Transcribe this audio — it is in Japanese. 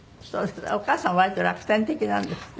お母様は割と楽天的なんですって？